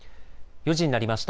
４時になりました。